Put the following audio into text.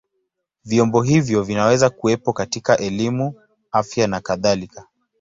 Vyombo hivyo vinaweza kuwepo katika elimu, afya na kadhalika.